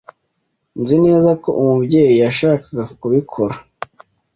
Nzi neza ko Umubyeyi yashakaga kubikora.